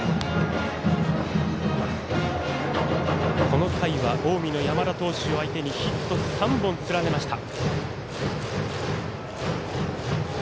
この回は近江の山田投手相手にヒット３本連ねました。